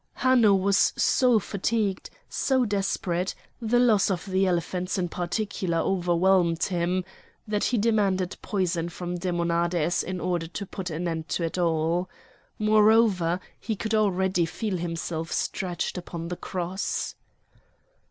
Hanno was so fatigued, so desperate—the loss of the elephants in particular overwhelmed him—that he demanded poison from Demonades in order to put an end to it all. Moreover he could already feel himself stretched upon the cross.